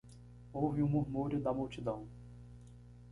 Houve um murmúrio da multidão.